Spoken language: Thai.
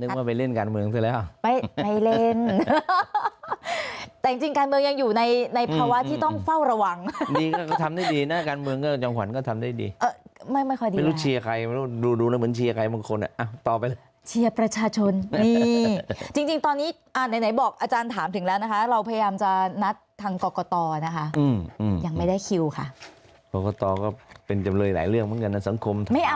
นึกว่าไปเล่นการเมืองซะแล้วไปเล่นแต่จริงการเมืองยังอยู่ในภาวะที่ต้องเฝ้าระหวังนี่ก็ทำได้ดีนะการเมืองก็จังหวันก็ทำได้ดีไม่ค่อยดีแล้วดูแล้วเหมือนเชียร์ใครบางคนอ่ะต่อไปเชียร์ประชาชนนี่จริงตอนนี้อ่านไหนบอกอาจารย์ถามถึงแล้วนะคะเราพยายามจะนัดทางกรกตนะคะยังไม่ได้คิวค่ะกรกตก็เป็นจำ